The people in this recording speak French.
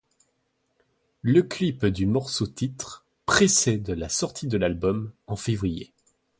Le clip du morceau-titre précède la sortie de l'album, en février.